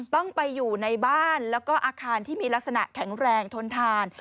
ต้องไปอยู่ในบ้านแล้วก็อาคารที่มีลักษณะแข็งแรงทนทาน